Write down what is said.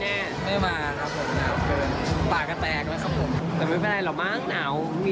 นี่อ่ะมักหนาวมากค่ะล้มแรงมาก